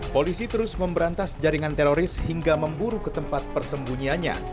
polisi terus memberantas jaringan teroris hingga memburu ke tempat persembunyiannya